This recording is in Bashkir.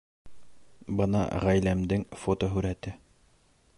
Бына ғаиләмдең фотоһүрәте